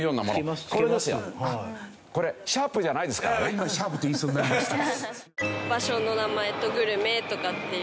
今シャープって言いそうになりました。